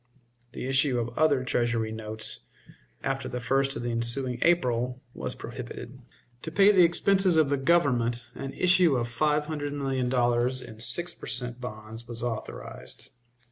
The issue of other Treasury notes, after the 1st of the ensuing April, was prohibited. To pay the expenses of the Government an issue of five hundred million dollars in six per cent. bonds was authorized.